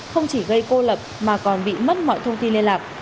không chỉ gây cô lập mà còn bị mất mọi thông tin liên lạc